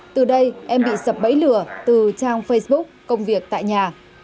từ đây em bị sập bẫy lừa từ trang facebook công việc tại nhà